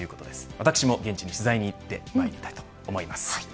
私も現地で取材に行ってまいりたいと思います。